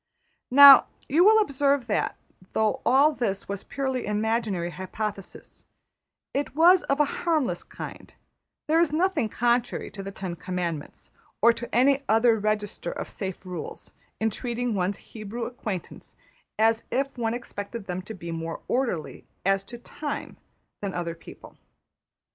Now you will observe that, though all this was purely imaginary hypothesis, it was of a harmless kind; there is nothing contrary to the ten commandments, or to any other register of safe rules, in treating one's Hebrew acquaintance as if one expected them to be more orderly as to time than other people.